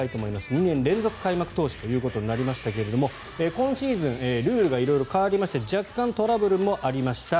２年連続開幕投手となりましたが今シーズンルールが色々変わりまして若干、トラブルもありました。